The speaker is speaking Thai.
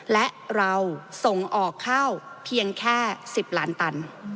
และเราส่งออกข้าวเพียงแค่๑๐ล้านตัน